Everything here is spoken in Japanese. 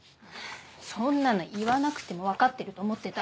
そんなの言わなくても分かってると思ってた。